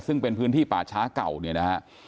ซึ่งเป็นพื้นที่ป่าช้าเก่าเนี่ยนะฮะ